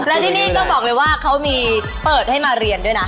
และที่นี่ต้องบอกเลยว่าเขามีเปิดให้มาเรียนด้วยนะ